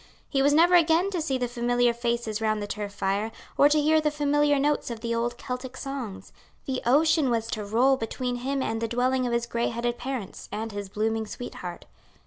He was never again to see the familiar faces round the turf fire, or to hear the familiar notes of the old Celtic songs. The ocean was to roll between him and the dwelling of his greyheaded parents and his blooming sweetheart.